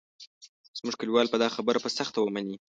زموږ کلیوال به دا خبره په سخته ومني.